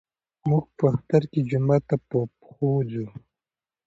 موږ په اختر کې جومات ته په پښو ځو.